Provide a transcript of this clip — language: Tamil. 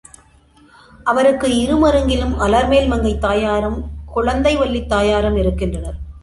அவருக்கு இரு மருங்கிலும் அலர்மேல் மங்கைத் தாயாரும், குளந்தை வல்லித் தாயாரும் இருக்கின்றனர்.